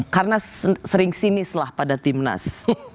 karena sering sinislah pada timnas